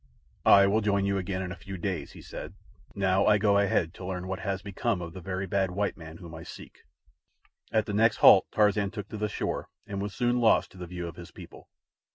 "I will join you again in a few days," he said. "Now I go ahead to learn what has become of the very bad white man whom I seek." At the next halt Tarzan took to the shore, and was soon lost to the view of his people.